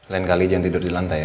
lain kali jangan tidur di lantai ya